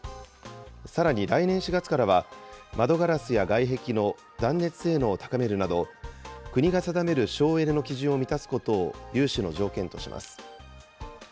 さらに来年４月からは、窓ガラスや外壁の断熱性能を高めるなど、国が定める省エネの基準を満たすことを融資の条件とします。